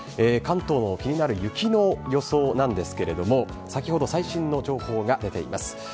関東の気になる雪の予想なんですけれども、先ほど、最新の情報が出ています。